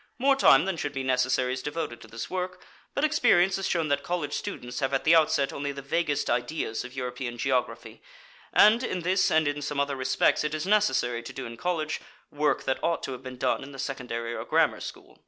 More time than should be necessary is devoted to this work, but experience has shown that college students have at the outset only the vaguest ideas of European geography, and in this and in some other respects it is necessary to do in college, work that ought to have been done in the secondary or grammar school.